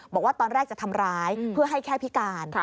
บอกว่าตอนแรกจะทำร้ายเพื่อให้แค่พิการ